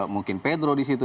mungkin pedro di situ